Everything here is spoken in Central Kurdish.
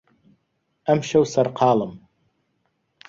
ئەمشەو سەرقاڵم.